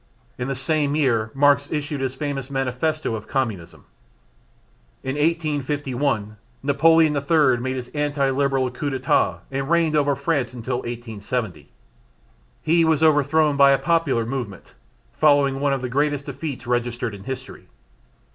In the same year Marx issued his famous manifesto of Communism. In 1851 Napoleon III made his anti Liberal coup d'├®tat and reigned over France until 1870. He was overthrown by a popular movement, following one of the greatest defeats registered in history.